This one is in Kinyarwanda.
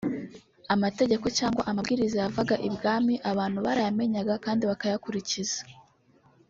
Amategeko cyangwa amabwiriza yavaga i Bwami abantu barayamenyaga kandi bakayakurikiza